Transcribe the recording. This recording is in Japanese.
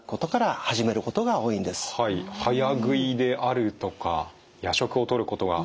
「早食いである」とか「夜食をとることが多い」。